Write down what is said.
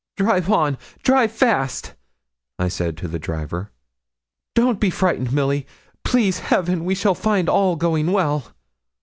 'Drive on drive fast,' I said to the driver. 'Don't be frightened, Milly; please Heaven we shall find all going well.'